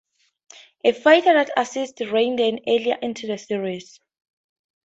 A fighter that assists Raideen early into the series.